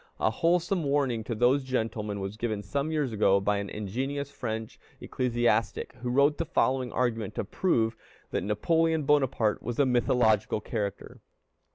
A wholesome warning to these gentlemen was given some years ago by an ingenious French ecclesiastic, who wrote the following argument to prove that Napoleon Bonaparte was a mythological character.